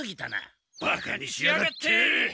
バカにしやがって！